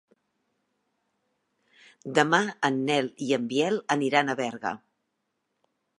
Demà en Nel i en Biel aniran a Berga.